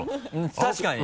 確かにね。